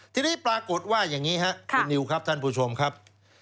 ทีนี้ปรากฏว่าอย่างนี้ครับคุณนิวครับท่านผู้ชมครับ